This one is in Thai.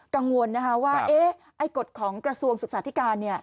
กังวลนะคะว่าไอ้กฎของกระทรวงศึกษาธิการ